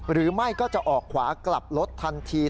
หรือไม่ก็จะออกขวากลับรถทันที